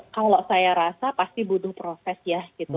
kalau saya rasa pasti butuh proses ya gitu